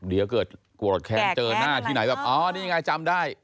เดี๋ยวเกิดโกรธแค้นเจอหน้าที่ไหนแบบอ๋อนี่ไงจำได้